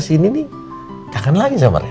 sini nih kangen lagi sama rena